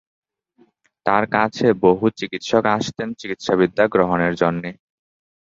তার কাছে বহু চিকিৎসক আসতেন চিকিৎসাবিদ্যা গ্রহণের জন্যে।